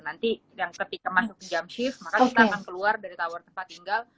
nanti yang ketika masuk jam shift maka kita akan keluar dari tower tempat tinggal